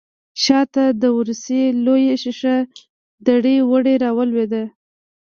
شا ته د ورسۍ لويه شيشه دړې وړې راولوېده.